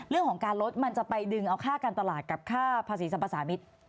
เรื่องของการลดมันจะไปดึงเอาค่าการตลาดกับค่าภาษีสรรพสามิตร